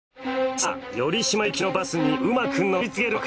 さぁ寄島行きのバスにうまく乗り継げるのか？